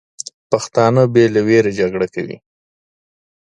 پښتانه بې له ویرې جګړه کوي.